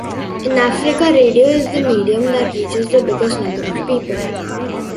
In Africa, radio is the medium that reaches the biggest number of people.